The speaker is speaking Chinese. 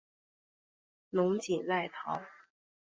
侬锦外逃。